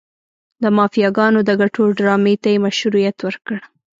د مافیاګانو د ګټو ډرامې ته یې مشروعیت ورکړ.